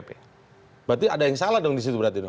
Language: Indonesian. berarti ada yang salah dong disitu berarti dong